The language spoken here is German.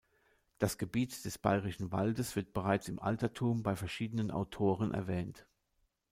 Das Gebiet des Bayerischen Waldes wird bereits im Altertum bei verschiedenen Autoren erwähnt.